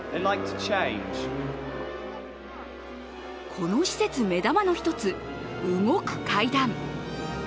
この施設目玉の一つ動く階段。